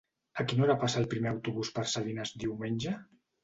A quina hora passa el primer autobús per Salines diumenge?